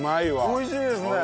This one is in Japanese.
美味しいですね。